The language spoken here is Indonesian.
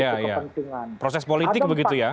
iya ya proses politik begitu ya